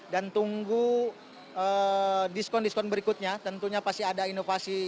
dan tunggu diskon diskon berikutnya tentunya pasti ada inovasi